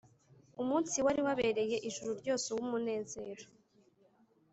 umunsi wari wabereye ijuru ryose uw’umunezero,